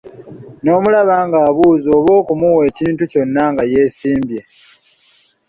N'omulaba ng'abuuza bba oba okumuwa ekintu kyonna nga yeesimbye.